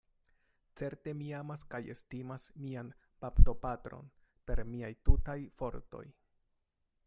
Certe mi amas kaj estimas mian baptopatron per miaj tutaj fortoj.